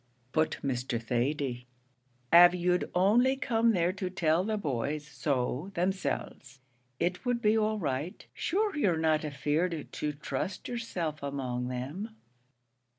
"But, Mr. Thady, av you'd only come there to tell the boys so themselves, it would be all right. Shure you're not afeard to trust yerself among them."